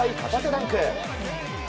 ダンク。